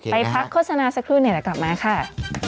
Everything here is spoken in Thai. ไปพักโฆษณาสักครู่เดี๋ยวกลับมาค่ะ